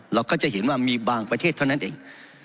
เราก็จะเห็นว่ามีบางประเทศเท่านั้นเอง